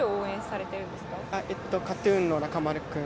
えっと、ＫＡＴ−ＴＵＮの中丸君。